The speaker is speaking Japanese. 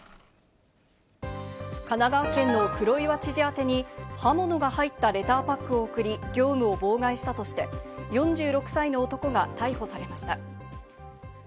神奈川県の黒岩知事宛てに刃物が入ったレターパックを送り、業務を妨害したとして、４６歳の男が逮捕されました。